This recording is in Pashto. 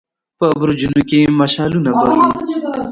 په برجونو کې يې مشعلونه بل ول.